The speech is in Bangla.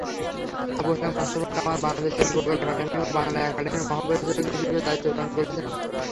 আবু হেনা মোস্তফা কামাল বাংলাদেশ শিল্পকলা একাডেমী ও বাংলা একাডেমীর মহাপরিচালক হিসেবে দায়িত্ব পালন করেছেন।